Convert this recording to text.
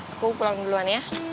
aku pulang duluan ya